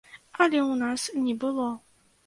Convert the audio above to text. Але ў нас не было.